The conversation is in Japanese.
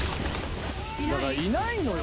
だからいないのよ